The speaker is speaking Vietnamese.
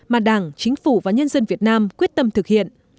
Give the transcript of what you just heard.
mà đảng chính phủ và nhân dân việt nam quyết tâm thực hiện